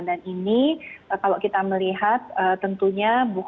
dan ini kalau kita melihat tentunya buku